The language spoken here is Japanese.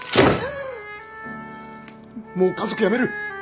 もう家族やめる。